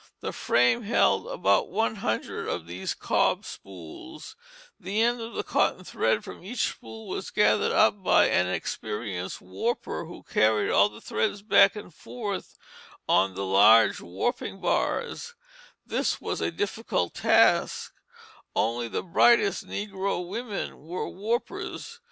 The frame held about one hundred of these cob spools; the end of the cotton thread from each spool was gathered up by an experienced warper who carried all the threads back and forth on the large warping bars; this was a difficult task; only the brightest negro women were warpers.